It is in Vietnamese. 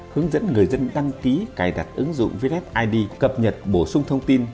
hướng dẫn người dân đăng ký cài đặt ứng dụng viettel id cập nhật bổ sung thông tin